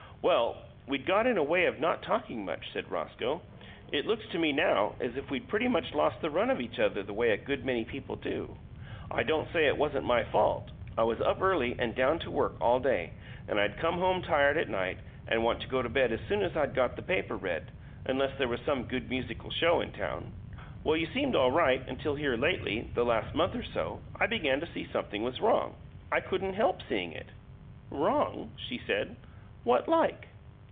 "Well, we'd got in a way of not talking much," said Roscoe. "It looks to me now as if we'd pretty much lost the run of each other the way a good many people do. I don't say it wasn't my fault. I was up early and down to work all day, and I'd come home tired at night, and want to go to bed soon as I'd got the paper read unless there was some good musical show in town. Well, you seemed all right until here lately, the last month or so, I began to see something was wrong. I couldn't help seeing it." "Wrong?" she said. "What like?"